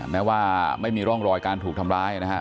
แม้ว่าไม่มีร่องรอยการถูกทำร้ายนะครับ